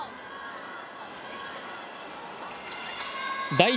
第１